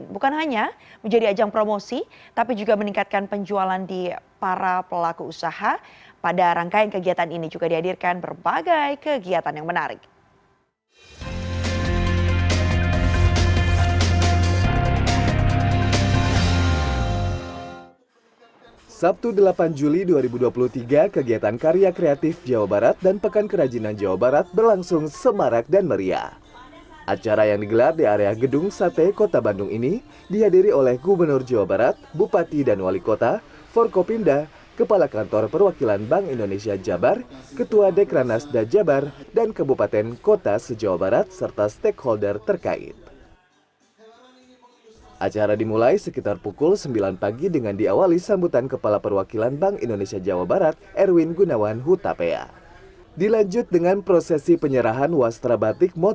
bukan hanya menjadi ajang promosi tapi juga meningkatkan penjualan di para pelaku usaha